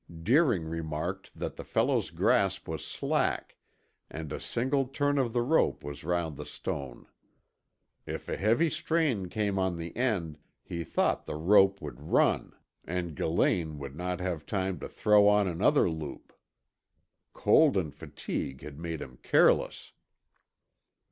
Deering remarked that the fellow's grasp was slack and a single turn of the rope was round the stone. If a heavy strain came on the end, he thought the rope would run and Gillane would not have time to throw on another loop. Cold and fatigue had made him careless.